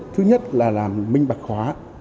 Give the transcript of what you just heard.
thứ nhất là là minh bạc khóa